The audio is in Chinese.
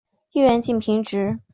叶缘近平直。